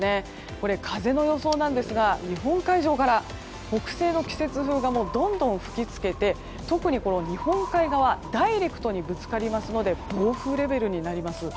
これ、風の予想なんですが日本海上から北西の季節風がどんどん吹き付けて特に日本海側ダイレクトにぶつかりますので暴風レベルになります。